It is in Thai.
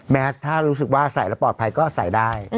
แมสถ้ารู้สึกว่าใส่แล้วปลอดภัยก็ใส่ได้